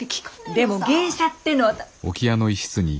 でも芸者ってえのは。